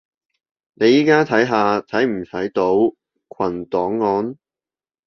你而家睇下睇唔睇到群檔案